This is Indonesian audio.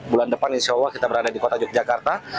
bulan depan insya allah kita berada di kota yogyakarta